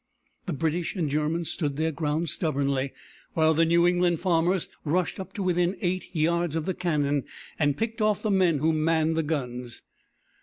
The British and Germans stood their ground stubbornly, while the New England farmers rushed up to within eight yards of the cannon, and picked off the men who manned the guns.